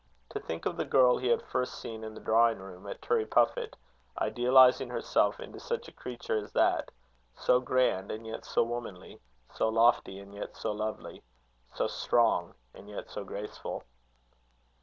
To think of the girl he had first seen in the drawing room at Turriepuffit, idealizing herself into such a creature as that, so grand, and yet so womanly! so lofty, and yet so lovely; so strong, and yet so graceful!